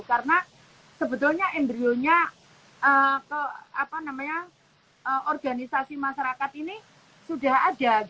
karena sebetulnya embryonya organisasi masyarakat ini sudah ada